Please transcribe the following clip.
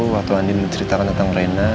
waktu andi menceritakan tentang reina